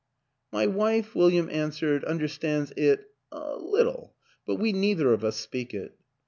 "" My wife," William answered, " understands it a little. But we neither of us speak it."